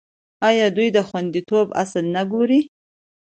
آیا دوی د خوندیتوب اصول نه ګوري؟